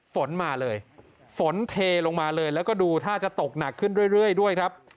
ฝนมาเลยฝนเทลงมาเลยแล้วก็ดูท่าจะตกหนักขึ้นเรื่อยด้วยครับ